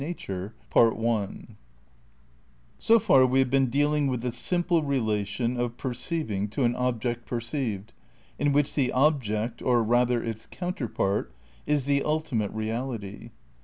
ii So far we have been dealing with the simple relation of perceiving to an object perceived, in which the ob p,o. ject, or rather, its "counterpart" is the ultimate real fessor ity.